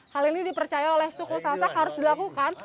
hal ini dipercaya oleh suku sasak harus dilakukan